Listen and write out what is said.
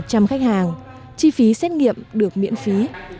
sáu mươi đến một trăm linh khách hàng chi phí xét nghiệm được miễn phí